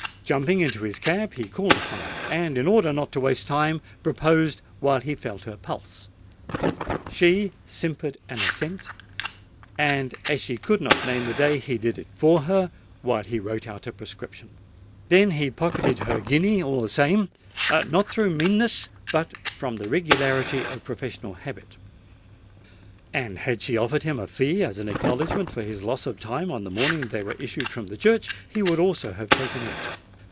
Jumping into his cab, he called upon her, and, in order not to waste time, proposed while he felt her pulse: she simpered an assent—and, as she could not name the day, he did it for her while he wrote out a prescription. Then he pocketed her guinea all the same—not through meanness, but from the regularity of professional habit; and had she offered him a fee as an acknowledgment for his loss of time on the morning when they issued from the church, he would also have taken it.